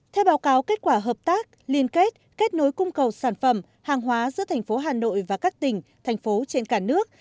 theo báo cáo kết quả hợp tác liên kết kết nối cung cầu sản phẩm hàng hóa giữa thành phố hà nội và các tỉnh thành phố trên cả nước